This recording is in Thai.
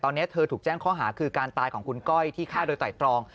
ตอนนี้เธอถูกแจ้งข้อหาคือการตายของคุณก้อยที่ฆ่าโดยไตรตรอง